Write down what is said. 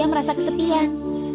dan dia merasa kesepian